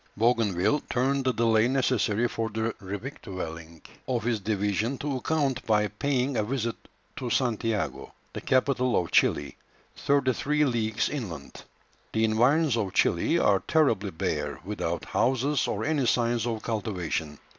Bougainville turned the delay necessary for the revictualling of his division to account by paying a visit to Santiago, the capital of Chili, thirty three leagues inland. The environs of Chili are terribly bare, without houses or any signs of cultivation.